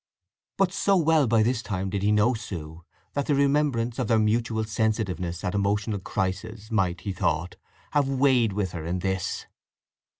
But so well by this time did he know Sue that the remembrance of their mutual sensitiveness at emotional crises might, he thought, have weighed with her in this.